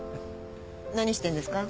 何してんですか？